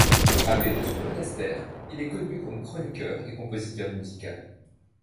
Abbé de son monastère il est connu comme chroniqueur et compositeur musical.